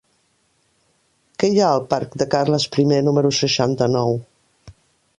Què hi ha al parc de Carles I número seixanta-nou?